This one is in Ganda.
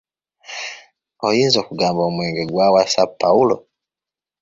Oyinza okugamba omwenge gwawasa Pawulo.